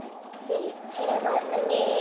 ててれますねえ。